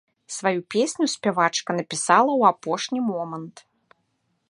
Сваю песню спявачка напісала ў апошні момант.